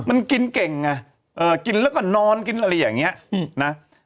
มันกินเก่งไงกินแล้วก็นอนกินอะไรอย่างนี้นะ